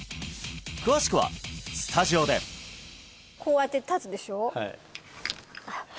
詳しくはスタジオでこうやって立つでしょはい